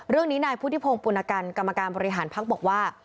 เรื่องนี้นายพุทธิพงศ์ปุณกันกรรมการบริหารพักบอกว่า